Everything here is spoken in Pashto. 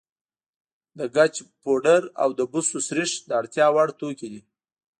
د ګچ پوډر او د بوسو سريښ د اړتیا وړ توکي دي.